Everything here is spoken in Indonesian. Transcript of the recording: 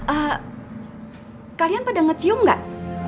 eh kalian pada ngecium gak